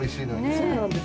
そうなんです。